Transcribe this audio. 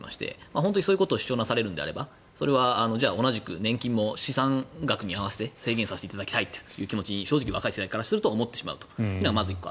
本当にそういうことを主張されるのであれば同じく年金も資産額に合わせて制限させていただきたいという気持ちに正直、若い世代からすると思ってしまうというのがまず１個。